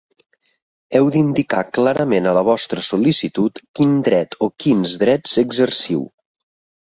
Heu d'indicar clarament a la vostra sol·licitud quin dret o quins drets exerciu.